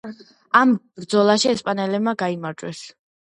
ამ ბრძოლაში ესპანელებმა გაიმარჯვეს.